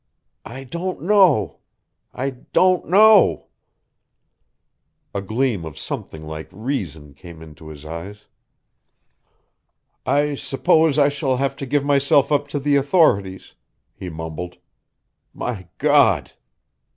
"I don't know I don't know." A gleam of something like reason came into his eyes. "I suppose I shall have to give myself up to the authorities," he mumbled. "My God!"